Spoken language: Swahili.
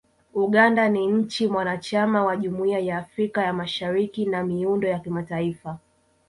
Uganda ni nchi mwanachama wa Jumuiya ya Afrika ya Mashariki na miundo ya kimataifa